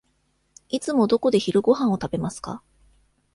いつもどこで昼ごはんを食べますか。